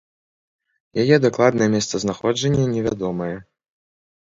Яе дакладнае месцазнаходжанне невядомае.